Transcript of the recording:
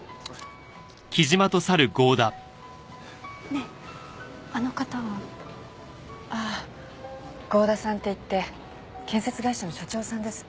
ねえあの方は？ああ合田さんって言って建設会社の社長さんです。